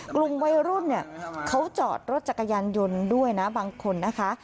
กลุ่มวัยรุ่นเนี่ยเขาจอดรถจักรยานยนต์ด้วยนะบางคนนะคะ